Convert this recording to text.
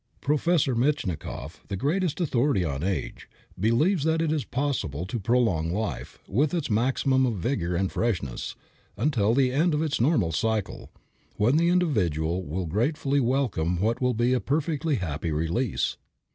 Professor Metchnikoff, the greatest authority on age, believes that it is possible to prolong life, with its maximum of vigor and freshness, until the end of its normal cycle, when the individual will gratefully welcome what will be a perfectly happy release.